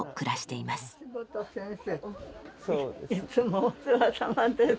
いつもお世話さまです。